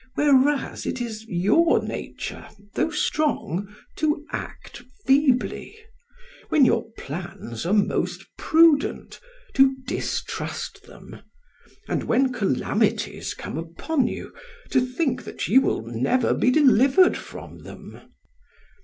Whereas it is your nature, though strong, to act feebly; when your plans are most prudent, to distrust them; and when calamities come upon you, to think that you will never be delivered from them.